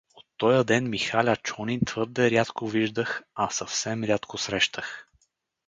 От тоя ден Михаля Чонин твърде рядко виждах, а съвсем рядко срещах.